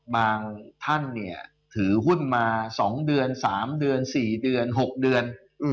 บางท่านเนี่ยถือหุ้นมา๒เดือน๓เดือน๔เดือน๖เดือน